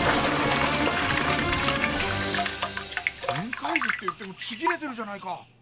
展開図っていってもちぎれてるじゃないか！